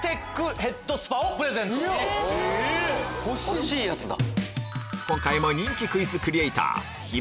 欲しいやつだ！